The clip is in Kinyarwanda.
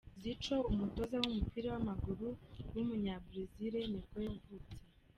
Zico, umutoza w’umupira w’amaguru w’umunyabrazil nibwo yavutse.